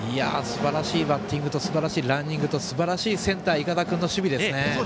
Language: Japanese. すばらしいバッティングとすばらしいランニングとすばらしいセンター筏君の守備ですね。